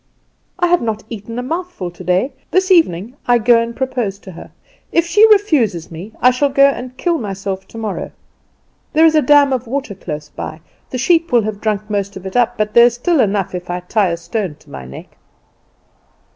"I have not eaten a mouthful today. This evening I go and propose to her. If she refuses me I shall go and kill myself tomorrow. There is a dam of water close by. The sheep have drunk most of it up, but there is still enough if I tie a stone to my neck.